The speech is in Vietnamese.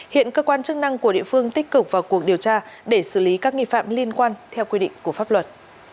hiện cơ quan chức năng của địa phương tích cực vào cuộc điều tra để xử lý các nghị phạm liên quan theo quy định của pháp luật